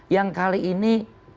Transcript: yang kali ini